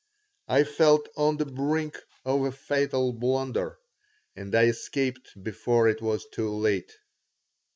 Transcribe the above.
I felt on the brink of a fatal blunder, and I escaped before it was too late.